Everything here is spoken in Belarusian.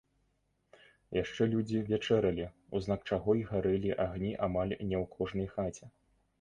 Яшчэ людзі вячэралі, у знак чаго й гарэлі агні амаль не ў кожнай хаце.